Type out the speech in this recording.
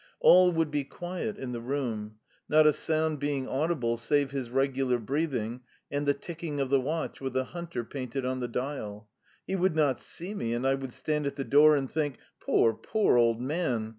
All would be quiet in the room not a sound being audible save his regular breathing and the ticking of the watch with the hunter painted on the dial. He would not see me, and I would stand at the door and think: "Poor, poor old man!